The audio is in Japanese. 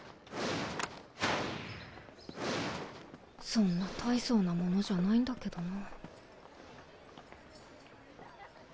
そんな大層なものじゃないんだけどな。